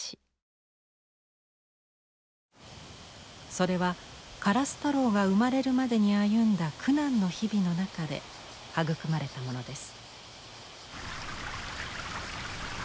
それは「からすたろう」が生まれるまでに歩んだ苦難の日々の中で育まれたものです。